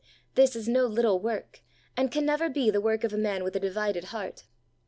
This is no little work, and can never be the work of a man with a divided heart.